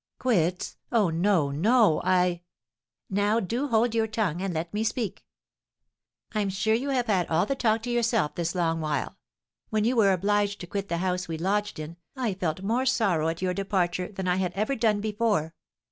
"Quits? Oh, no, no! I " "Now, do hold your tongue, and let me speak! I'm sure you have had all the talk to yourself this long while. When you were obliged to quit the house we lodged in, I felt more sorrow at your departure than I had ever done before."